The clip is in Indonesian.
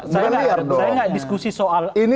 saya tidak diskusi soal contohnya